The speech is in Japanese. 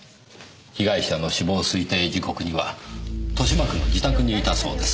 被害者の死亡推定時刻には豊島区の自宅にいたそうです。